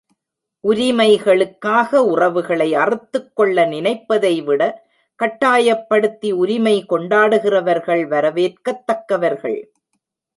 உரிமைகளுக்காக உறவுகளை அறுத்துக் கொள்ள நினைப்பதைவிட கட்டாயப்படுத்தி உரிமை கொண்டாடுகிறவர்கள் வரவேற்கத்தக்கவர்கள்.